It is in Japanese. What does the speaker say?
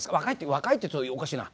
若いって言うとおかしいな。